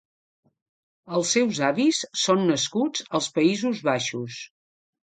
Els seus avis són nascuts als Països Baixos.